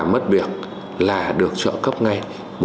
mất việc là được trợ cấp ngay